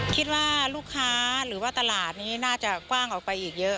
คิดว่าลูกค้าหรือว่าตลาดนี้น่าจะกว้างออกไปอีกเยอะ